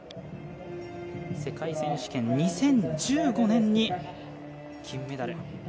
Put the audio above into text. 世界選手権、２０１５年に金メダル。